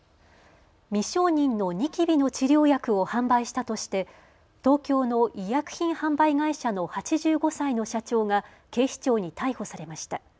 未承認のニキビの治療薬を販売したとして東京の医薬品販売会社の８５歳の社長が警視庁に逮捕されました。